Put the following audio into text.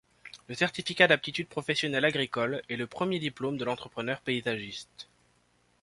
Le certificat d'aptitude professionnelle agricole est le premier diplôme de l'entrepreneur paysagiste.